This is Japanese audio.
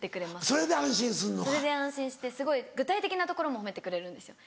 それで安心してすごい具体的なところも褒めてくれるんですよ。